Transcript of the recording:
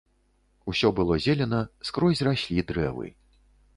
Усё было зелена, скрозь раслі дрэвы.